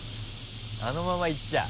あのままいっちゃう？